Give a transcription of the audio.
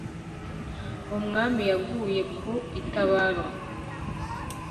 uwo mwami yaguye ku itabaro